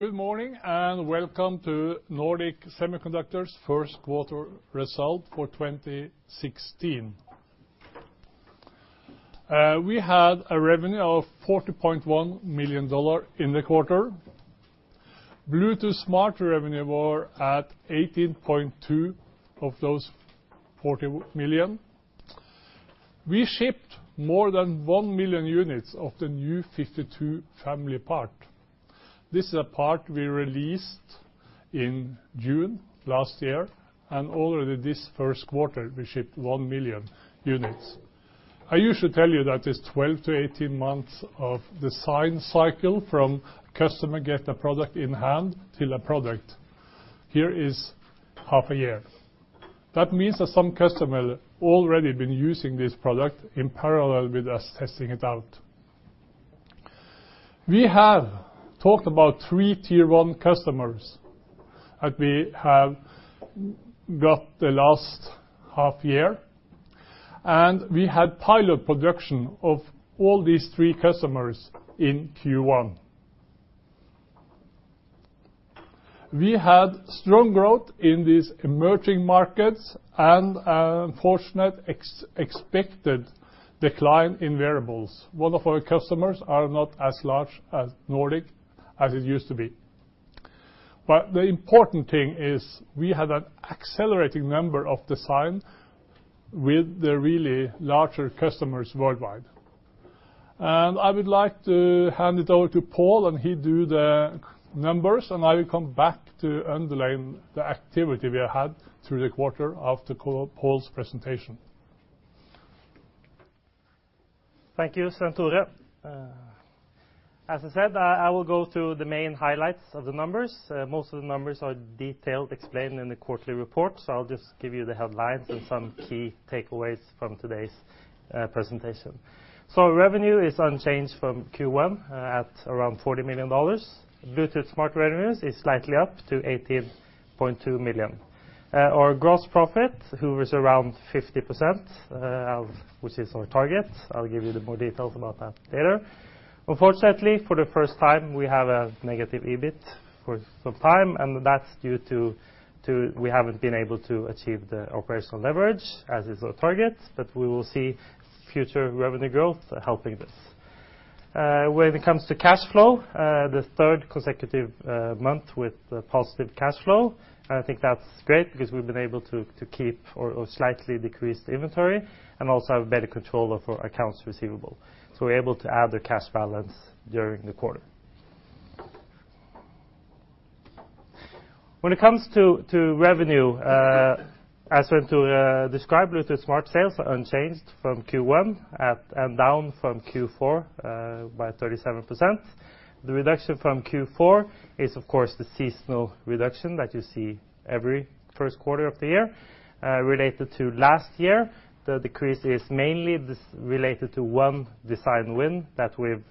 Good morning, welcome to Nordic Semiconductor's First Quarter Result for 2016. We had a revenue of $40.1 million in the quarter. Bluetooth Smart revenue were at $18.2 of those $40 million. We shipped more than 1 million units of the new nRF52 family part. This is a part we released in June last year, and already this first quarter, we shipped 1 million units. I usually tell you that it's 12-18 months of design cycle from customer get a product in hand to the product. Here is half a year. That means that some customer already been using this product in parallel with us testing it out. We have talked about three Tier 1 customers that we have got the last half year, and we had pilot production of all these three customers in Q1. We had strong growth in these emerging markets and unfortunate expected decline in wearables. One of our customers are not as large as Nordic as it used to be. The important thing is we have an accelerating number of design with the really larger customers worldwide. I would like to hand it over to Pål, and he do the numbers, and I will come back to underline the activity we have had through the quarter after Pål's presentation. Thank you, Svenn-Tore. As I said, I will go through the main highlights of the numbers. Most of the numbers are detailed, explained in the quarterly report. I'll just give you the headlines and some key takeaways from today's presentation. So revenue is unchanged from Q1, at around $40 million. Bluetooth Smart revenues is slightly up to $18.2 million. Our gross profit, who is around 50%, of which is our target, I'll give you the more details about that later. Unfortunately, for the first time, we have a negative EBIT for some time and that's due to we haven't been able to achieve the operational leverage as is our target. We will see future revenue growth helping this. When it comes to cash flow, the third consecutive month with positive cash flow, I think that's great because we've been able to keep or slightly decrease the inventory and also have better control of our accounts receivable. We're able to add the cash balance during the quarter. When it comes to revenue, as Svenn-Tore described, Bluetooth Smart sales are unchanged from Q1 at and down from Q4 by 37%. The reduction from Q4 is, of course, the seasonal reduction that you see every first quarter of the year. Related to last year, the decrease is mainly this related to one design win that we've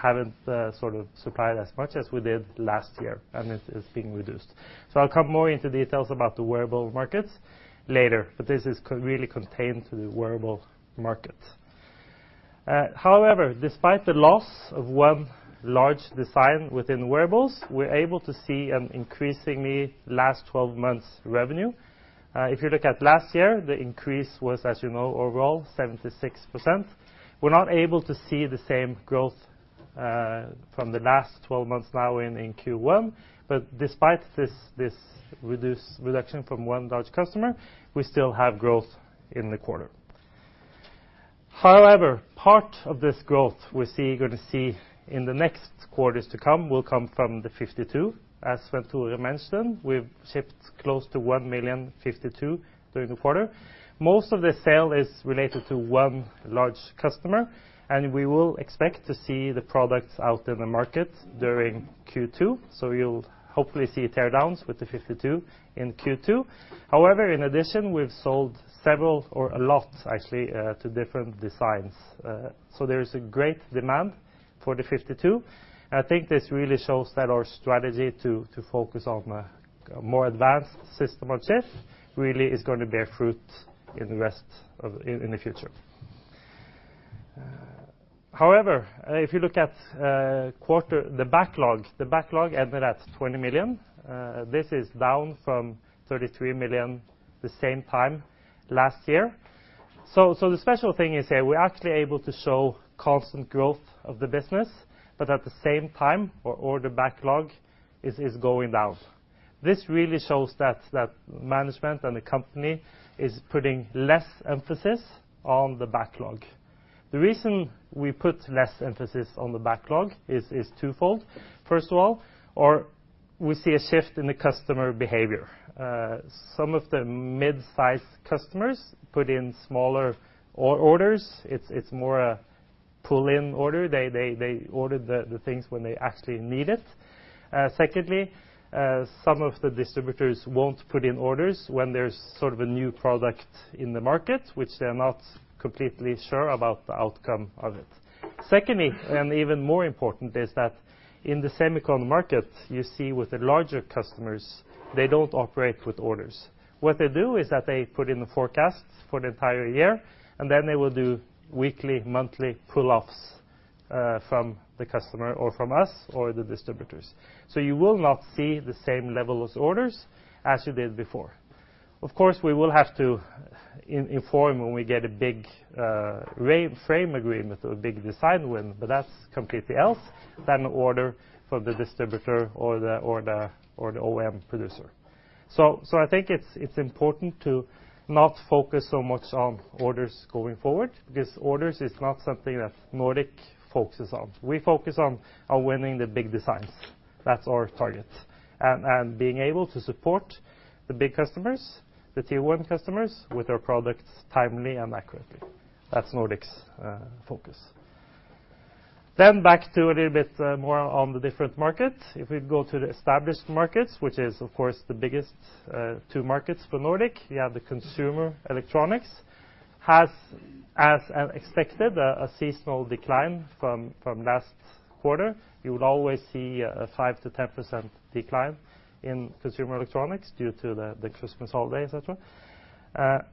haven't sort of supplied as much as we did last year, and it is being reduced. I'll come more into details about the wearable markets later, but this is really contained to the wearable market. Despite the loss of one large design within wearables, we're able to see an increasingly last 12 months revenue. If you look at last year, the increase was, as you know, overall 76%. We're not able to see the same growth from the last 12 months now in Q1, but despite this reduced reduction from one large customer, we still have growth in the quarter. Part of this growth we're going to see in the next quarters to come, will come from the nRF52, as Svenn-Tore mentioned, we've shipped close to 1 million nRF52 during the quarter. Most of the sale is related to one large customer. We will expect to see the products out in the market during Q2, so you'll hopefully see tear downs with the nRF52 in Q2. In addition, we've sold several or a lot, actually, to different designs. There is a great demand for the nRF52. I think this really shows that our strategy to focus on a more advanced System on a Chip really is going to bear fruit in the future. If you look at, quarter, the backlog ended at 20 million. This is down from 33 million the same time last year. The special thing is that we're actually able to show constant growth of the business, but at the same time, our order backlog is going down. This really shows that management and the company is putting less emphasis on the backlog. The reason we put less emphasis on the backlog is twofold. First of all, we see a shift in the customer behavior. Some of the mid-size customers put in smaller orders. It's more a pull-in order. They order the things when they actually need it. Secondly, some of the distributors won't put in orders when there's sort of a new product in the market, which they are not completely sure about the outcome of it. Secondly, and even more important, is that in the semicon market, you see with the larger customers, they don't operate with orders. What they do is that they put in the forecasts for the entire year, and then they will do weekly, monthly pull-ups from the customer, or from us, or the distributors. You will not see the same level as orders as you did before. We will have to inform when we get a big frame agreement or a big design win, but that's completely else than an order for the distributor or the OEM producer. I think it's important to not focus so much on orders going forward, because orders is not something that Nordic focuses on. We focus on winning the big designs. That's our target, and being able to support the big customers, the Tier 1 customers, with our products timely and accurately. That's Nordic's focus. Then, back to a little bit more on the different markets. If we go to the established markets, which is, of course, the biggest, two markets for Nordic, you have the consumer electronics, has, as expected, a seasonal decline from last quarter. You will always see a 5%-10% decline in consumer electronics due to the Christmas holiday, et cetera.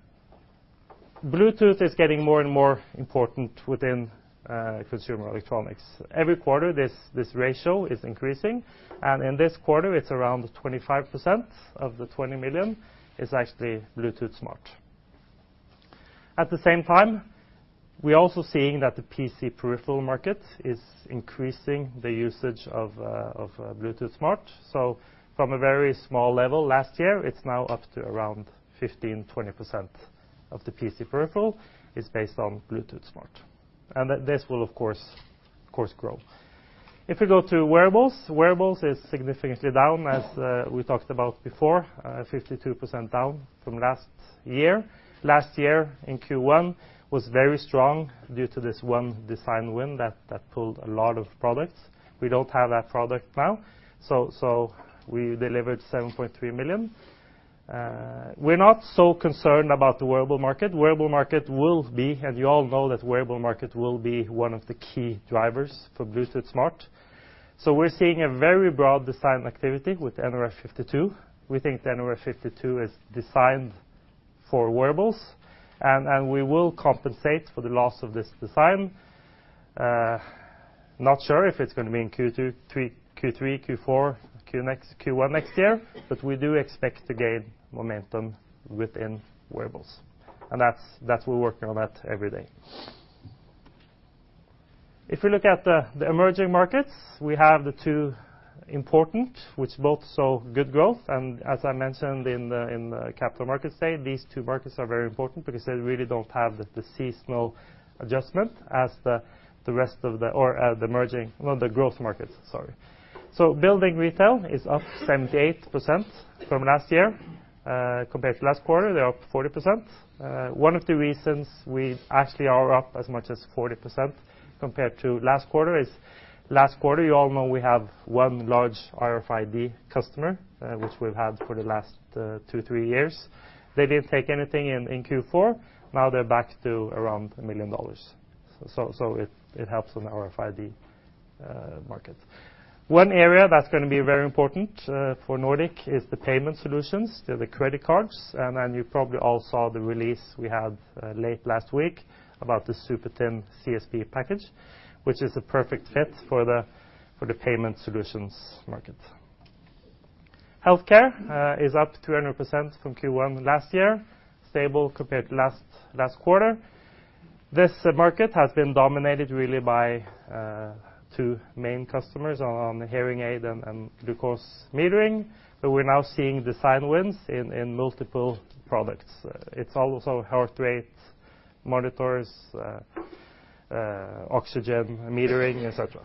Bluetooth is getting more and more important within consumer electronics. Every quarter, this ratio is increasing, and in this quarter, it's around 25% of the 20 million is actually Bluetooth Smart. At the same time, we're also seeing that the PC peripheral market is increasing the usage of Bluetooth Smart. From a very small level last year, it's now up to around 15%-20% of the PC peripheral is based on Bluetooth Smart, and this will, of course, grow. If we go to wearables, wearables is significantly down, as we talked about before, 52% down from last year. Last year, in Q1, was very strong due to this one design win that pulled a lot of products. We don't have that product now, so we delivered $7.3 million. We're not so concerned about the wearable market. Wearable market will be. You all know that wearable market will be one of the key drivers for Bluetooth Smart. We're seeing a very broad design activity with nRF52. We think the nRF52 is designed for wearables, and we will compensate for the loss of this design. Not sure if it's going to be in Q2, Q3, Q4, Q next, Q1 next year, we do expect to gain momentum within wearables, and that's we're working on that every day. If we look at the emerging markets, we have the two important, which both saw good growth, and as I mentioned in the capital market today, these two markets are very important because they really don't have the seasonal adjustment as the growth markets, sorry. Building retail is up 78% from last year. Compared to last quarter, they're up 40%. One of the reasons we actually are up as much as 40% compared to last quarter is, last quarter, you all know, we have one large RFID customer, which we've had for the last 2, 3 years. They didn't take anything in Q4. Now they're back to around $1 million. It helps on the RFID market. One area that's going to be very important for Nordic is the payment solutions to the credit cards. You probably all saw the release we had late last week about the super thin CSP package, which is a perfect fit for the payment solutions market. Healthcare is up 200% from Q1 last year, stable compared to last quarter. This market has been dominated really by two main customers on the hearing aid and glucose metering, but we're now seeing design wins in multiple products. It's also heart rate monitors, oxygen metering, et cetera.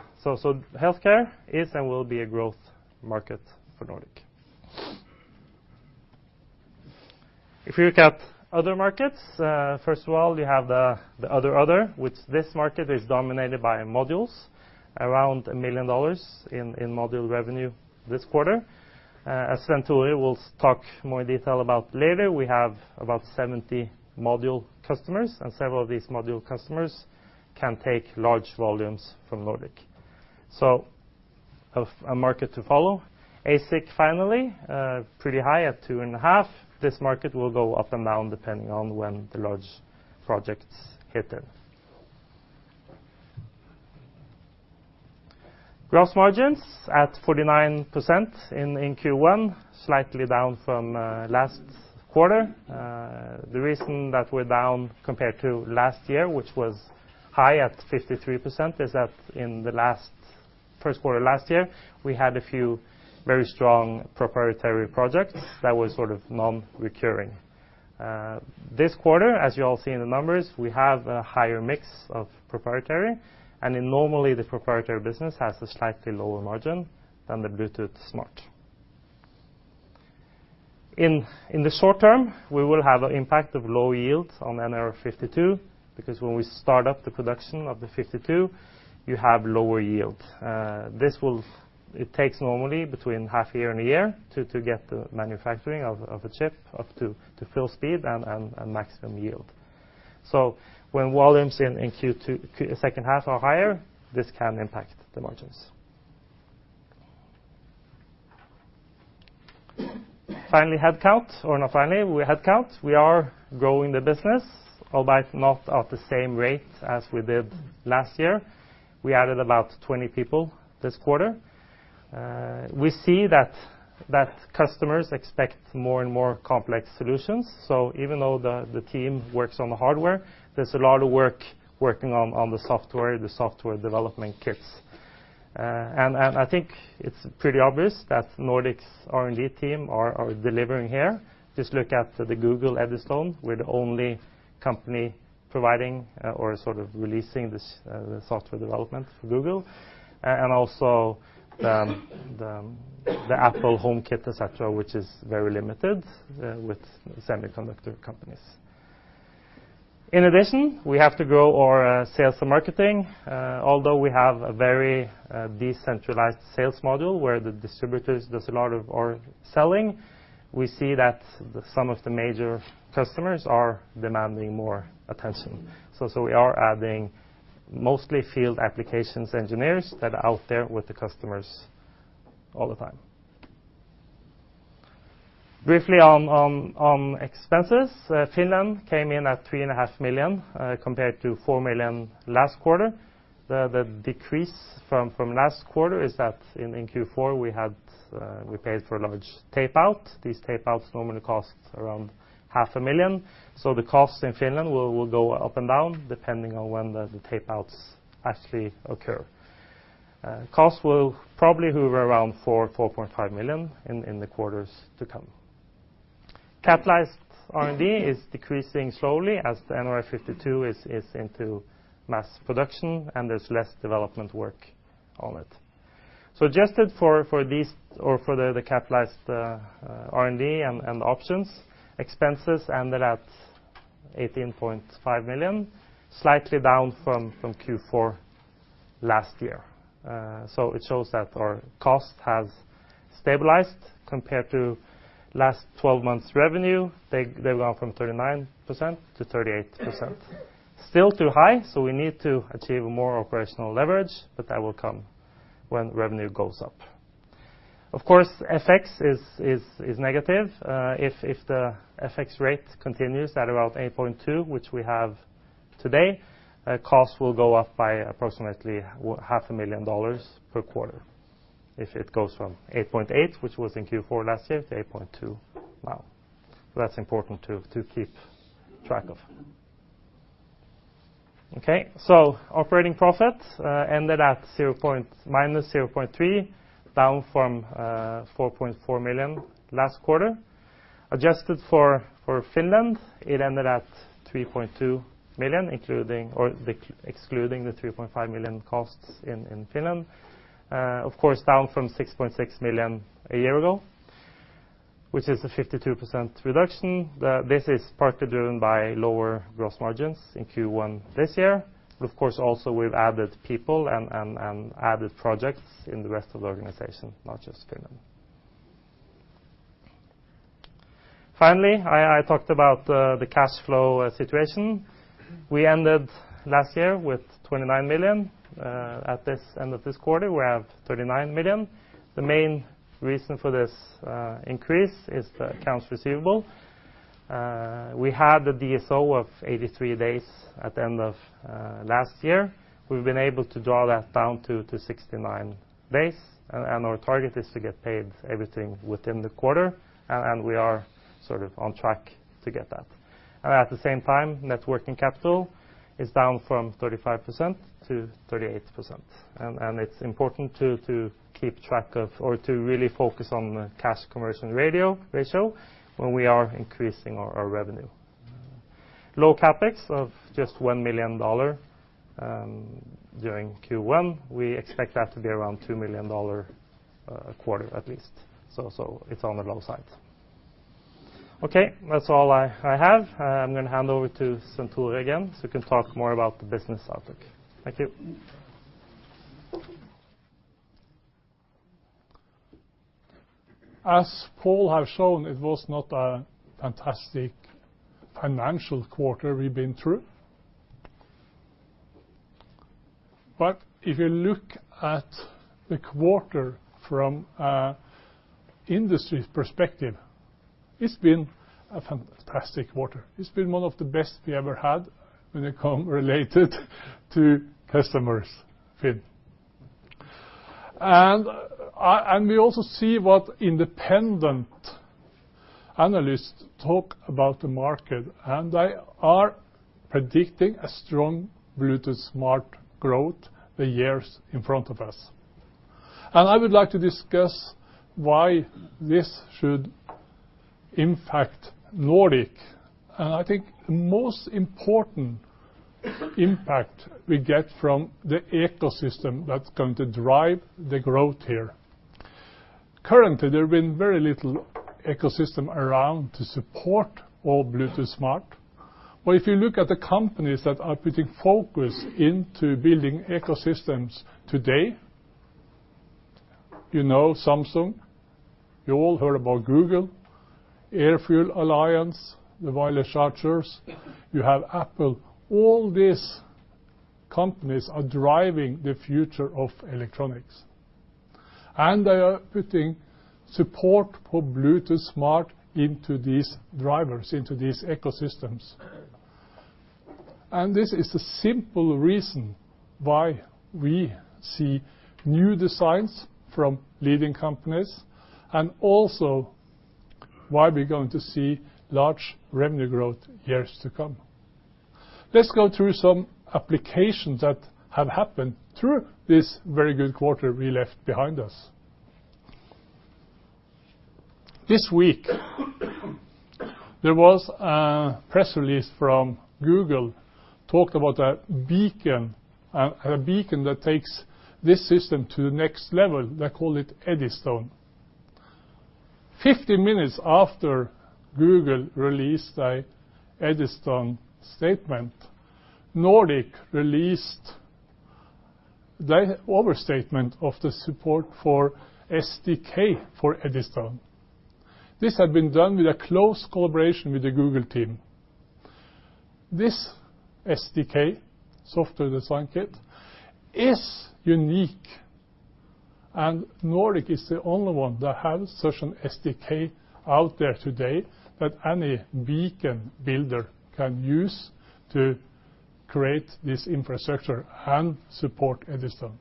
Healthcare is and will be a growth market for Nordic. If you look at other markets, first of all, you have the other, which this market is dominated by modules, around $1 million in module revenue this quarter. Svenn-Tore will talk more in detail about later, we have about 70 module customers, and several of these module customers can take large volumes from Nordic. A market to follow. ASIC, finally, pretty high at 2.5. This market will go up and down, depending on when the large projects hit in. Gross margins at 49% in Q1, slightly down from last quarter. The reason that we're down compared to last year, which was high at 53%, is that in the last first quarter of last year, we had a few very strong proprietary projects that were sort of non-recurring. This quarter, as you all see in the numbers, we have a higher mix of proprietary, in normally, the proprietary business has a slightly lower margin than the Bluetooth Smart. In the short term, we will have an impact of low yields on nRF52, because when we start up the production of the nRF52, you have lower yields. It takes normally between half year and a year to get the manufacturing of a chip up to full speed and maximum yield. When volumes in Q2, second half are higher, this can impact the margins. Finally, headcount, or not finally, we headcount. We are growing the business, albeit not at the same rate as we did last year. We added about 20 people this quarter. We see that customers expect more and more complex solutions. Even though the team works on the hardware, there's a lot of work working on the software, the software development kits. And I think it's pretty obvious that Nordic's R&D team are delivering here. Just look at the google Eddystone, we're the only company providing or sort of releasing this, the software development for Google. Also, the Apple HomeKit, et cetera, which is very limited with semiconductor companies. In addition, we have to grow our sales and marketing, although we have a very decentralized sales model, where the distributors does a lot of our selling. We see that some of the major customers are demanding more attention. We are adding mostly field applications engineers that are out there with the customers all the time. Briefly on expenses, Finland came in at 3.5 million compared to 4 million last quarter. The decrease from last quarter is that in Q4, we paid for a large tapeout. These tapeouts normally cost around half a million, the costs in Finland will go up and down, depending on when the tapeouts actually occur. Costs will probably hover around 4 million-4.5 million in the quarters to come. Capitalized R&D is decreasing slowly as the nRF52 is into mass production, there's less development work on it. Adjusted for these or for the capitalized R&D and options, expenses ended at $18.5 million, slightly down from Q4 last year. It shows that our cost has stabilized compared to last 12 months revenue. They went from 39% to 38%. Still too high, so we need to achieve more operational leverage, but that will come when revenue goes up. Of course, FX is negative. If the FX rate continues at about 8.2, which we have today, costs will go up by approximately half a million dollars per quarter. If it goes from 8.8, which was in Q4 last year, to 8.2 now. That's important to keep track of. Operating profit ended at 0... minus 0.3, down from 4.4 million last quarter. Adjusted for Finland, it ended at 3.2 million, including or excluding the 3.5 million costs in Finland. Of course, down from 6.6 million a year ago, which is a 52% reduction. This is partly driven by lower gross margins in Q1 this year. Of course, also, we've added people and added projects in the rest of the organization, not just Finland. Finally, I talked about the cash flow situation. We ended last year with 29 million. At this, end of this quarter, we have 39 million. The main reason for this increase is the accounts receivable. We had a DSO of 83 days at the end of last year. We've been able to draw that down to 69 days, our target is to get paid everything within the quarter, we are sort of on track to get that. At the same time, net working capital is down from 35% to 38%. It's important to keep track of or to really focus on the cash conversion ratio when we are increasing our revenue. Low CapEx of just $1 million during Q1. We expect that to be around $2 million a quarter at least. It's on the low side. Okay, that's all I have. I'm going to hand over to Svenn-Tore again, he can talk more about the business outlook. Thank you. As Pål have shown, it was not a fantastic financial quarter we've been through. If you look at the quarter from an industry perspective, it's been a fantastic quarter. It's been one of the best we ever had when it come related to customers fit. We also see what independent analysts talk about the market, and they are predicting a strong Bluetooth Smart growth the years in front of us. I would like to discuss why this should impact Nordic. I think the most important impact we get from the ecosystem that's going to drive the growth here. Currently, there have been very little ecosystem around to support all Bluetooth Smart. If you look at the companies that are putting focus into building ecosystems today, you know Samsung, you all heard about Google, AirFuel Alliance, the wireless chargers, you have Apple. All these companies are driving the future of electronics, and they are putting support for Bluetooth Smart into these drivers, into these ecosystems. This is the simple reason why we see new designs from leading companies, and also why we're going to see large revenue growth years to come. Let's go through some applications that have happened through this very good quarter we left behind us. This week, there was a press release from Google, talked about a beacon, a beacon that takes this system to the next level. They call it Eddystone. 50 minutes after Google released a Eddystone statement, Nordic released the overstatement of the support for SDK for Eddystone. This had been done with a close collaboration with the Google team. This SDK, software design kit, is unique. Nordic is the only one that has such an SDK out there today that any beacon builder can use to create this infrastructure and support Eddystone.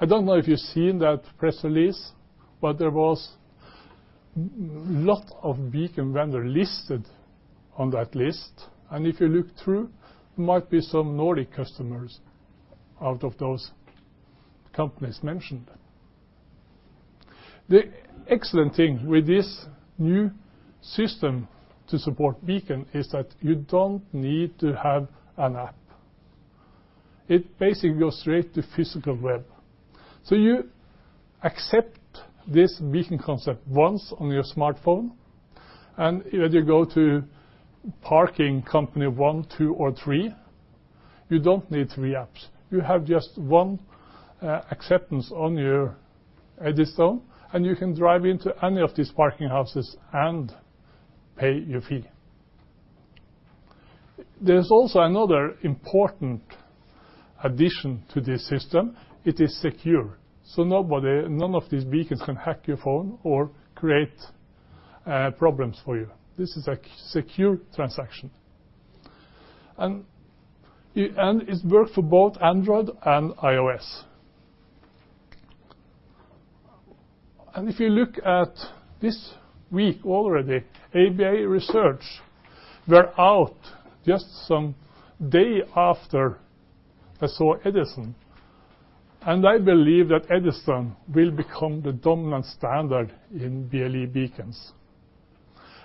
I don't know if you've seen that press release, but there was lot of beacon vendor listed on that list. If you look through, might be some Nordic customers out of those companies mentioned. The excellent thing with this new system to support beacon is that you don't need to have an app. It basically goes straight to physical web. You accept this beacon concept once on your smartphone, and if you go to parking company one, two, or three, you don't need 3 apps. You have just one acceptance on your Eddystone, and you can drive into any of these parking houses and pay your fee. There's also another important addition to this system: it is secure, so nobody, none of these beacons can hack your phone or create problems for you. This is a secure transaction. It work for both Android and iOS. If you look at this week already, ABI Research were out just some day after I saw Eddystone, and I believe that Eddystone will become the dominant standard in BLE beacons.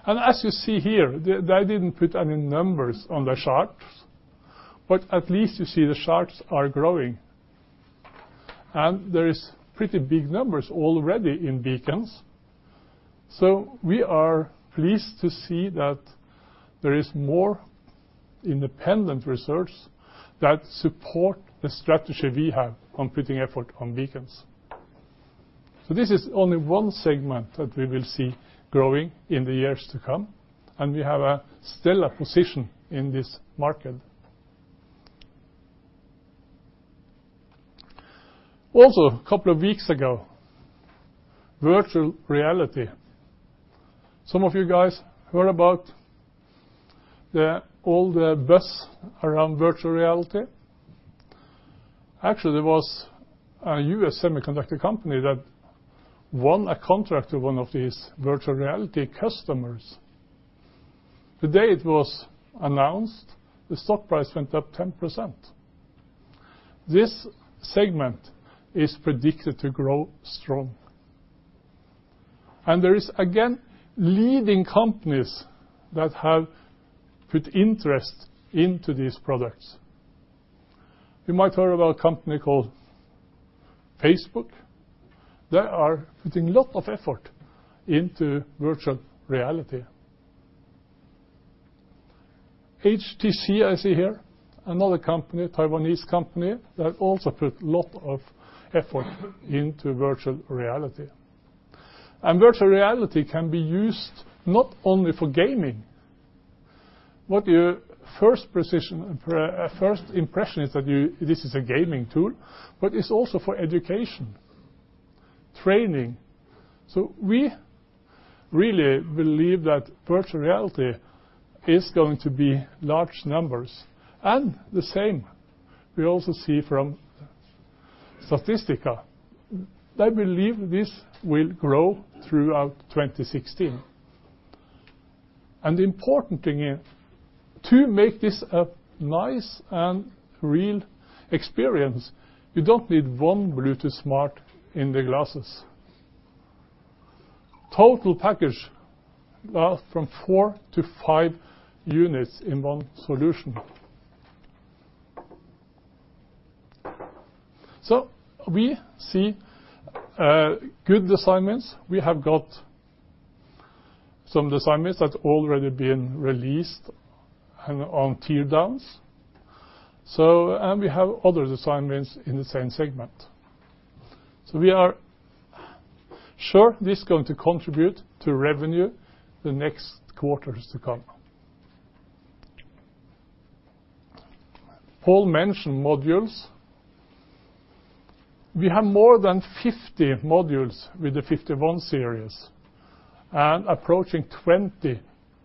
As you see here, they didn't put any numbers on the charts, but at least you see the charts are growing. There is pretty big numbers already in beacons. We are pleased to see that there is more independent research that support the strategy we have on putting effort on beacons. This is only one segment that we will see growing in the years to come, and we have a stellar position in this market. Also, a couple of weeks ago, virtual reality. Some of you guys heard about all the buzz around virtual reality? Actually, there was a U.S. semiconductor company that won a contract with one of these virtual reality customers. The day it was announced, the stock price went up 10%. This segment is predicted to grow strong. There is, again, leading companies that have put interest into these products. You might have heard about a company called Facebook. They are putting lot of effort into virtual reality. HTC, I see here, another company, Taiwanese company, that also put lot of effort into virtual reality. Virtual reality can be used not only for gaming. What your first impression is that you, this is a gaming tool, but it's also for education, training. We really believe that virtual reality is going to be large numbers. The same we also see from Statista. They believe this will grow throughout 2016. The important thing is, to make this a nice and real experience, you don't need one Bluetooth Smart in the glasses. Total package, from 4-5 units in 1 solution. We see good designs. We have got some designs that's already been released and on teardowns. We have other designs in the same segment. Sure, this is going to contribute to revenue the next quarters to come. Pål mentioned modules. We have more than 50 modules with the 51 series, and approaching 20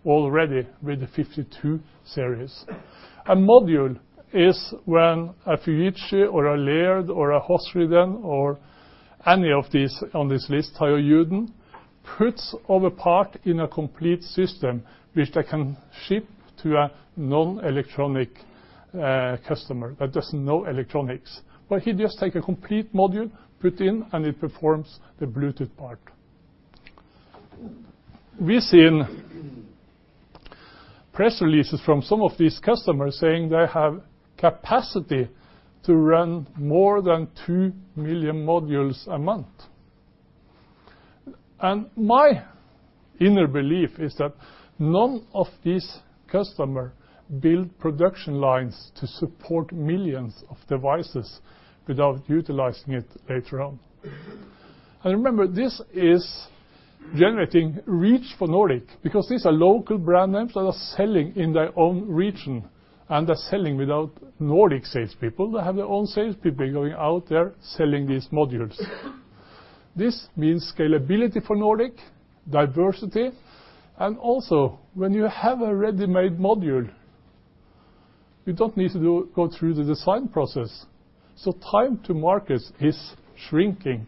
already with the 52 series. A module is when a Fujitsu or a Laird or a Hosiden or any of these on this list, Taiyo Yuden, puts all the part in a complete system, which they can ship to a non-electronic customer that doesn't know electronics. He just take a complete module, put in, and it performs the Bluetooth part. We've seen press releases from some of these customers saying they have capacity to run more than 2 million modules a month. My inner belief is that none of these customer build production lines to support millions of devices without utilizing it later on. Remember, this is generating reach for Nordic, because these are local brand names that are selling in their own region, and they're selling without Nordic salespeople. They have their own salespeople going out there selling these modules. This means scalability for Nordic, diversity, and also, when you have a ready-made module, you don't need to go through the design process. Time to market is shrinking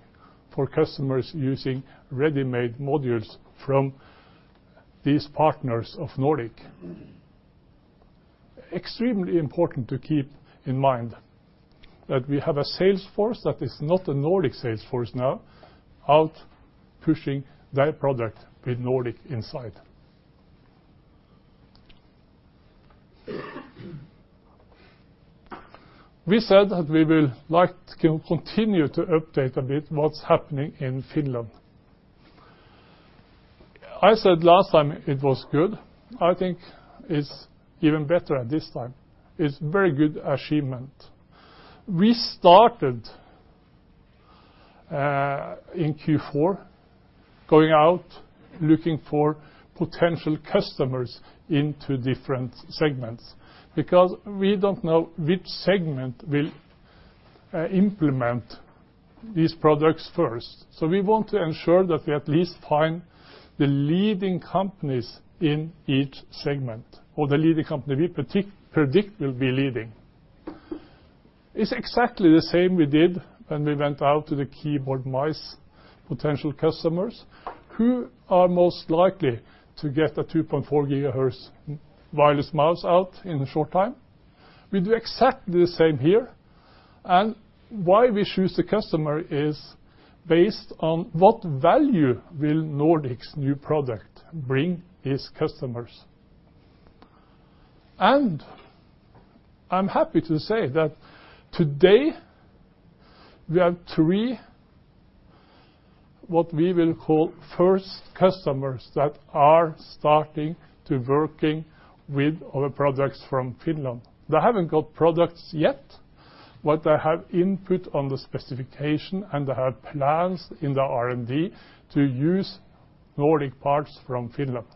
for customers using ready-made modules from these partners of Nordic. Extremely important to keep in mind that we have a sales force that is not a Nordic sales force now, out pushing their product with Nordic inside. We said that we will like to continue to update a bit what's happening in Finland. I said last time it was good. I think it's even better at this time. It's very good achievement. We started in Q4, going out, looking for potential customers into different segments, because we don't know which segment will implement these products first. We want to ensure that we at least find the leading companies in each segment, or the leading company we predict will be leading. It's exactly the same we did when we went out to the keyboard, mice, potential customers, who are most likely to get a 2.4 GHz wireless mouse out in a short time. We do exactly the same here, and why we choose the customer is based on what value will Nordic's new product bring these customers? I'm happy to say that today, we have three, what we will call, first customers that are starting to working with our products from Finland. They haven't got products yet, but they have input on the specification, and they have plans in the R&D to use Nordic parts from Finland.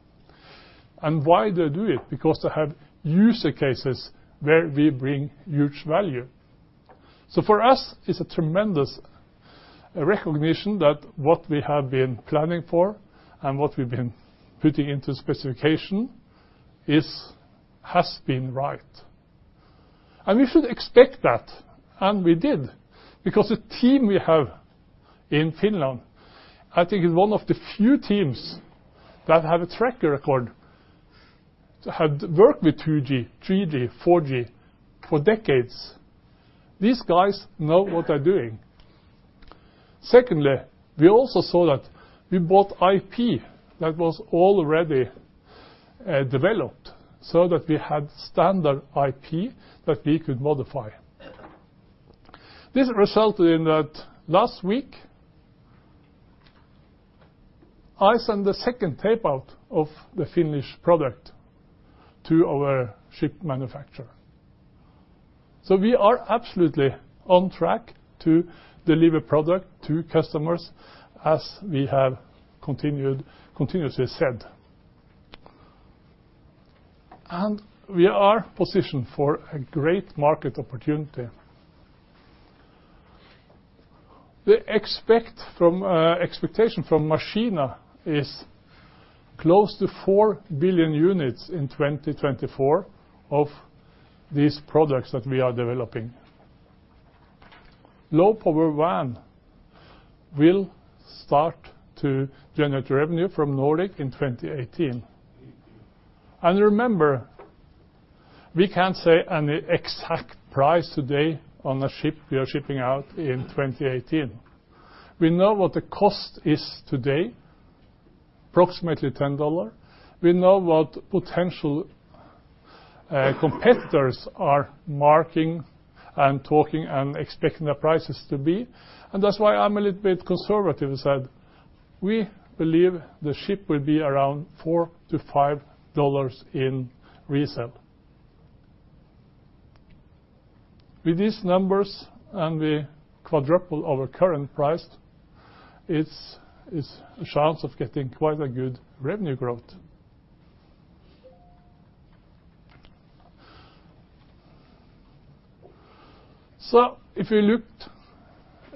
Why they do it? Because they have user cases where we bring huge value. For us, it's a tremendous recognition that what we have been planning for and what we've been putting into specification has been right. We should expect that, and we did, because the team we have in Finland, I think, is one of the few teams that have a track record, have worked with 2G, 3G, 4G for decades. These guys know what they're doing. Secondly, we also saw that we bought IP that was already developed, so that we had standard IP that we could modify. This resulted in that last week, I sent the second tape-out of the Finnish product to our ship manufacturer. We are absolutely on track to deliver product to customers as we have continuously said. We are positioned for a great market opportunity. The expectation from Machina is close to 4 billion units in 2024 of these products that we are developing. Low-power WAN will start to generate revenue from Nordic in 2018. Remember, we can't say any exact price today on a ship we are shipping out in 2018. We know what the cost is today, approximately $10. We know what potential competitors are marking and talking and expecting the prices to be, and that's why I'm a little bit conservative and said, we believe the ship will be around $4-$5 in resale. With these numbers and we quadruple our current price, it's a chance of getting quite a good revenue growth. If you looked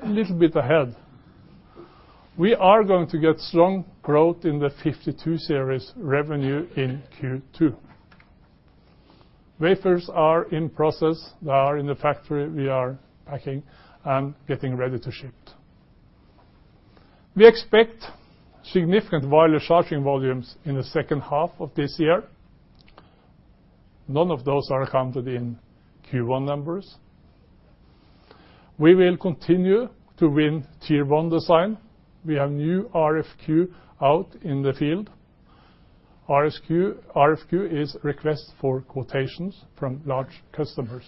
a little bit ahead, we are going to get strong growth in the 52 series revenue in Q2. Wafers are in process, they are in the factory, we are packing and getting ready to ship. We expect significant wireless charging volumes in the second half of this year. None of those are accounted in Q1 numbers. We will continue to win Tier 1 design. We have new RFQ out in the field. RFQ is request for quotations from large customers.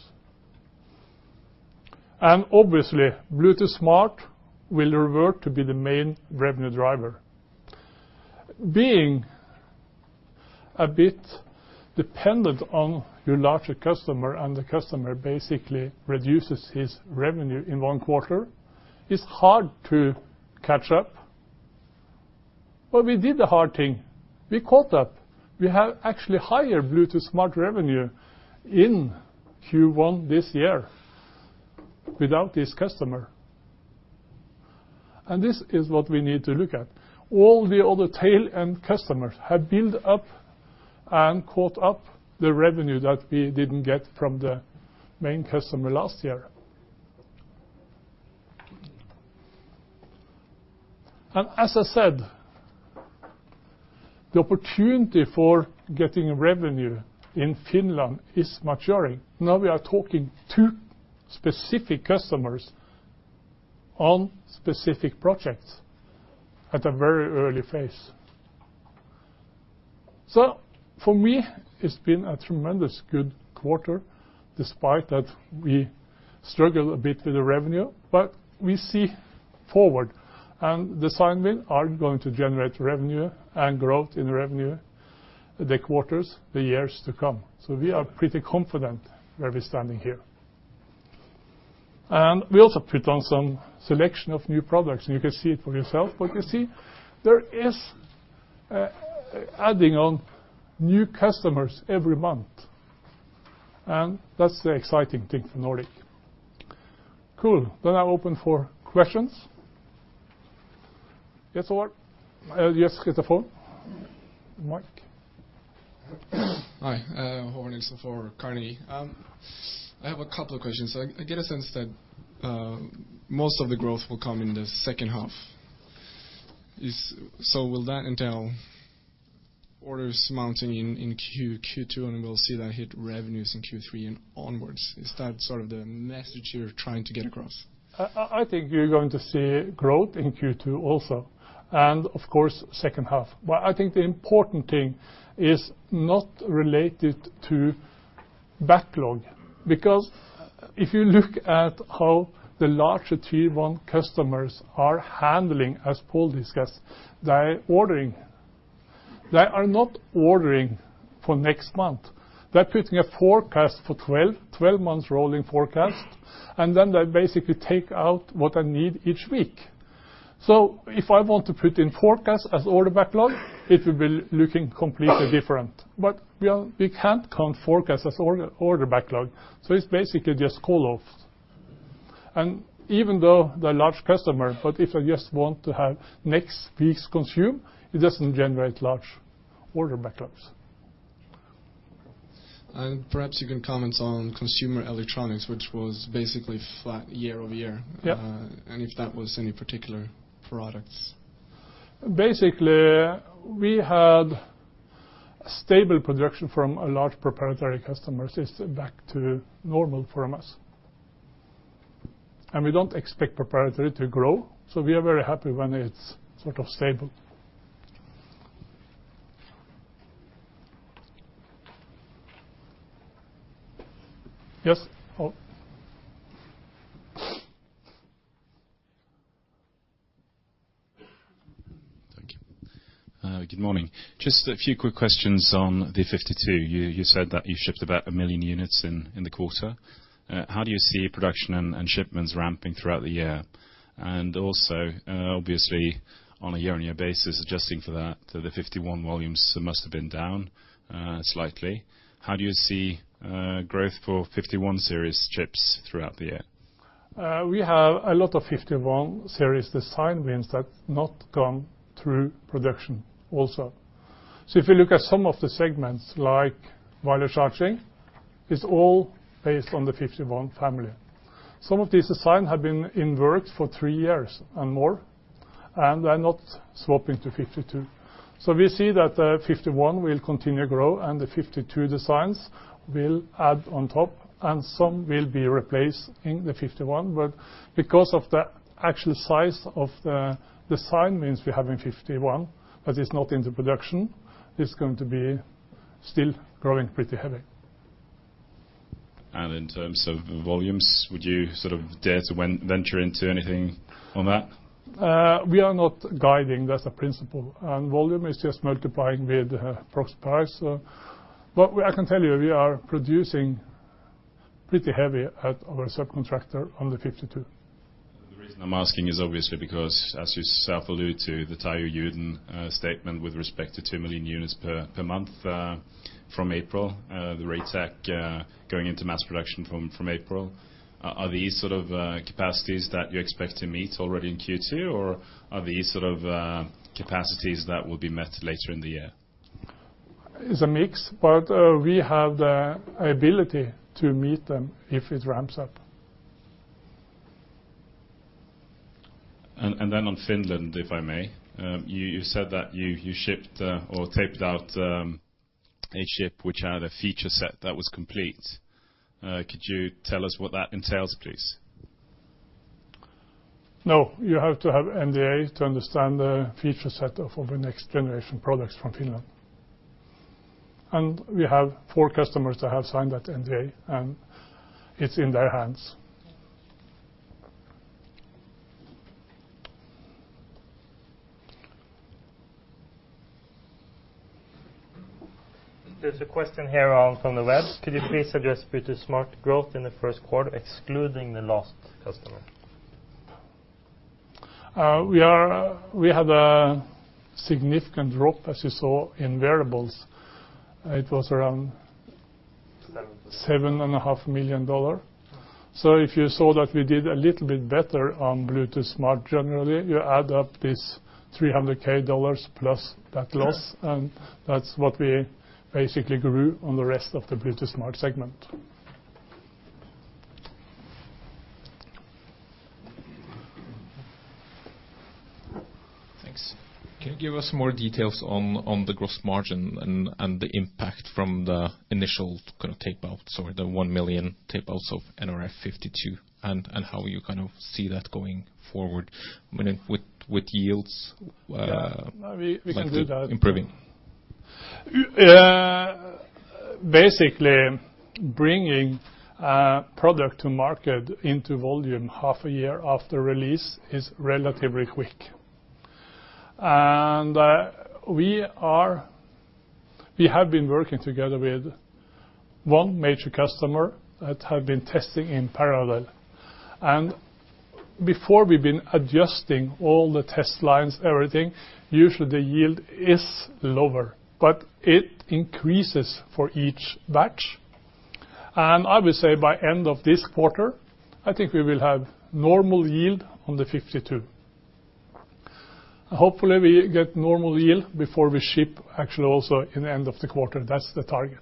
Obviously, Bluetooth Smart will revert to be the main revenue driver. Being a bit dependent on your larger customer, and the customer basically reduces his revenue in one quarter, it's hard to catch up. We did the hard thing, we caught up. We have actually higher Bluetooth Smart revenue in Q1 this year without this customer. This is what we need to look at. All the other tail end customers have built up and caught up the revenue that we didn't get from the main customer last year. As I said, the opportunity for getting revenue in Finland is maturing. Now we are talking to specific customers on specific projects at a very early phase. For me, it's been a tremendous good quarter, despite that we struggled a bit with the revenue, but we see forward, and the sign wins are going to generate revenue and growth in revenue, the quarters, the years to come. We are pretty confident where we're standing here. We also put on some selection of new products, and you can see it for yourself. You see, there is adding on new customers every month, and that's the exciting thing for Nordic. Cool. I open for questions. Yes, get the phone. Mike? Hi, Bjørnsen for Carnegie. I have a couple of questions. I get a sense that most of the growth will come in the second half. Will that entail orders mounting in Q2, and we'll see that hit revenues in Q3 and onwards? Is that sort of the message you're trying to get across? I think you're going to see growth in Q2 also, and of course, second half. I think the important thing is not related to backlog. If you look at how the larger Tier 1 customers are handling, as Pål discussed, they're ordering. They are not ordering for next month. They're putting a forecast for 12 months rolling forecast, and then they basically take out what I need each week. If I want to put in forecast as order backlog, it will be looking completely different. We can't count forecast as order backlog, so it's basically just call off. Even though they're large customer, but if I just want to have next week's consume, it doesn't generate large order backlogs. Perhaps you can comment on consumer electronics, which was basically flat year-over-year. Yeah. If that was any particular products? Basically, we had a stable production from a large proprietary customer. It's back to normal for us. We don't expect proprietary to grow, so we are very happy when it's sort of stable. Yes, Pål? Thank you. Good morning. Just a few quick questions on the nRF52. You said that you shipped about 1 million units in the quarter. How do you see production and shipments ramping throughout the year? Also, obviously, on a year-on-year basis, adjusting for that, the nRF51 volumes must have been down slightly. How do you see growth for nRF51 series chips throughout the year? We have a lot of nRF51 series design wins that not gone through production also. If you look at some of the segments, like wireless charging, it's all based on the nRF51 family. Some of these design have been in work for 3 years and more, and they're not swapping to nRF52. We see that the nRF51 will continue to grow, and the nRF52 designs will add on top, and some will be replaced in the nRF51. Because of the actual size of the design means we're having nRF51, but it's not in the production, it's going to be still growing pretty heavy. And in terms of volumes, would you sort of dare to venture into anything on that? We are not guiding, that's a principle, and volume is just multiplying with product price. I can tell you, we are producing pretty heavy at our subcontractor on the nRF52. The reason I'm asking is obviously because, as you self allude to the Taiyo Yuden statement with respect to 2 million units per month from April. The Raytac going into mass production from April. Are these sort of capacities that you expect to meet already in Q2? Or are these sort of capacities that will be met later in the year? It's a mix, but, we have the ability to meet them if it ramps up. Then on Finland, if I may. You said that you shipped or taped out a chip which had a feature set that was complete. Could you tell us what that entails, please? No, you have to have NDA to understand the feature set of the next generation products from Finland. We have four customers that have signed that NDA, and it's in their hands. There's a question here on, from the web: Could you please address Bluetooth Smart growth in the first quarter, excluding the lost customer? We had a significant drop, as you saw, in variables. Seven. Seven and a half million dollar. If you saw that we did a little bit better on Bluetooth Smart, generally, you add up this $300K dollars plus that loss. Sure. That's what we basically grew on the rest of the Bluetooth Smart segment. Thanks. Can you give us more details on the gross margin and the impact from the initial kind of tapeouts, or the 1 million tapeouts of nRF52, and how you kind of see that going forward, I mean, with yields. Yeah. We can do that. Like improving. Yeah, basically, bringing product to market into volume half a year after release is relatively quick. We have been working together with one major customer that have been testing in parallel. Before we've been adjusting all the test lines, everything, usually the yield is lower, but it increases for each batch. I would say by end of this quarter, I think we will have normal yield on the nRF52. Hopefully, we get normal yield before we ship, actually, also in the end of the quarter. That's the target.